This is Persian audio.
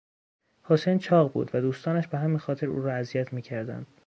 حسین چاق بود و دوستانش به همین خاطر او را اذیت میکردند.